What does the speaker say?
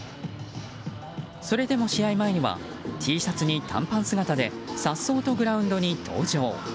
それでも試合前にはＴシャツに短パン姿で颯爽とグラウンドに登場。